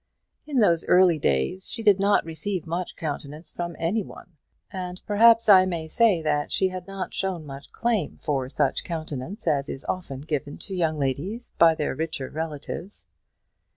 In those early days she did not receive much countenance from any one; and perhaps I may say that she had not shown much claim for such countenance as is often given to young ladies by their richer relatives.